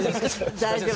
大丈夫。